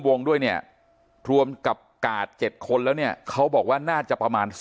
ด้วยเนี่ยรวมกับกาด๗คนแล้วเนี่ยเขาบอกว่าน่าจะประมาณ